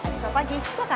aduh setan pagi jakarta